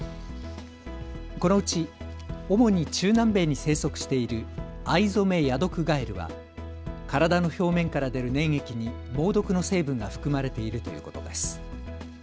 このうち主に中南米に生息しているアイゾメヤドクガエルは体の表面から出る粘液に猛毒の成分が含まれているということです。